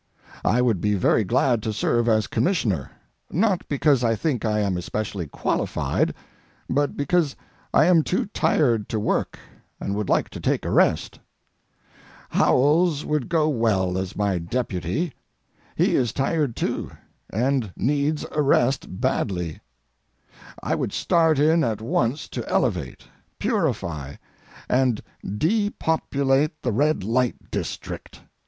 I would be very glad to serve as commissioner, not because I think I am especially qualified, but because I am too tired to work and would like to take a rest. Howells would go well as my deputy. He is tired too, and needs a rest badly. I would start in at once to elevate, purify, and depopulate the red light district.